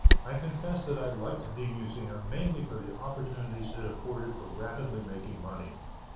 I confess that I liked the Museum mainly for the opportunities it afforded for rapidly making money.